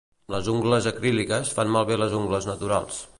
Les ungles acríliques fan malbé les ungles naturals